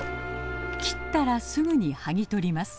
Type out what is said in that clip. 切ったらすぐに剥ぎ取ります。